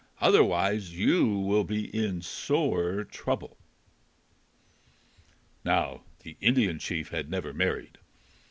Otherwise you will be in sore trouble." Now the Indian chief had never married.